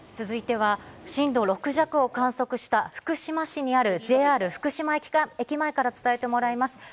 続いては震度６弱を観測した福島市にあるＪＲ福島駅前から伝えてもらいます。